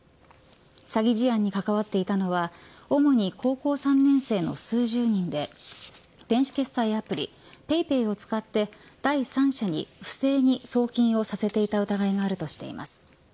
詐欺事案に関わっていたのは主に高校３年生の数十人で電子決済アプリＰａｙＰａｙを使って第三者に不正に送金をさせていた疑いがあるとしています。